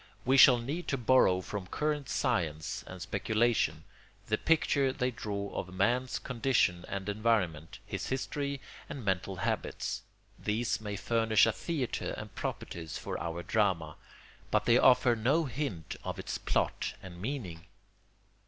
We shall need to borrow from current science and speculation the picture they draw of man's conditions and environment, his history and mental habits. These may furnish a theatre and properties for our drama; but they offer no hint of its plot and meaning.